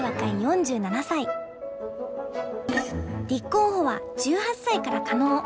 立候補は１８歳から可能。